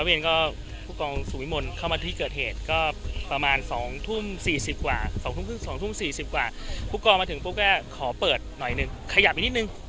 ร้อยเวียนก็ผู้กองสูงมิมนต์เข้ามาที่เกิดเหตุก็ประมาณสองทุ่มสี่สิบกว่าสองทุ่มสี่สิบกว่าผู้กองมาถึงปุ๊บก็ขอเปิดหน่อยนึงขยับอีกนิดนึง